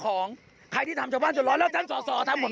คุณย้ายน่ะดิมันจากไหนไปดูที่ทะเบียทำไหน